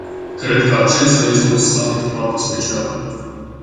Cred că acesta este un summit foarte special.